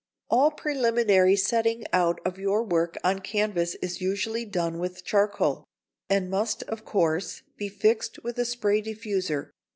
All preliminary setting out of your work on canvas is usually done with charcoal, which must of course be fixed with a spray diffuser.